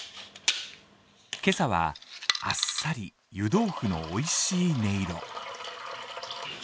今朝は、あっさり湯豆腐のおいしい音色。